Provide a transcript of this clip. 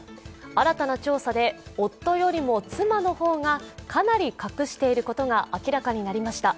新たな調査で夫よりも妻の方がかなり隠していることが明らかになりました。